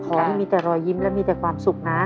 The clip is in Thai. ขอให้มีแต่รอยยิ้มและมีแต่ความสุขนะ